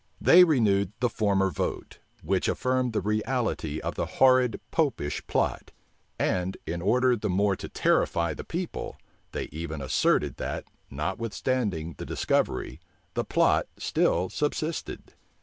They renewed the former vote, which affirmed the reality of the horrid Popish plot; and, in order the more to terrify the people, they even asserted that, notwithstanding the discovery, the plot still subsisted.